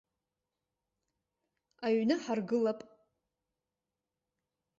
Аҩны ҳаргылап.